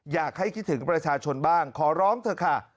อยากให้คิดถึงประชาชนบ้างขอร้องเถอะค่ะ